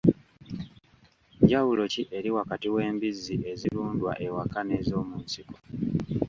Njawulo ki eri wakati w'embizzi ezirundwa ewaka n'ezomunsiko.